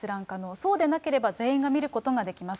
そうでなければ全員が見ることができます。